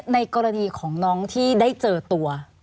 ในกรณีของน้องที่ได้เจอตัว